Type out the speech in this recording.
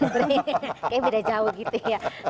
kayaknya beda jauh gitu ya